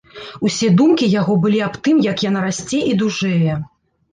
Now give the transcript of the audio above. Усе думкі яго былі аб тым, як яна расце і дужэе.